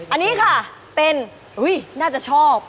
อันนี้ค่ะเป็นน่าจะชอบ